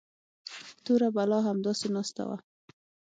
توره بلا همداسې ناسته وه.